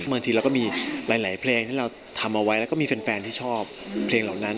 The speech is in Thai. บางทีเราก็มีหลายเพลงที่เราทำเอาไว้แล้วก็มีแฟนที่ชอบเพลงเหล่านั้น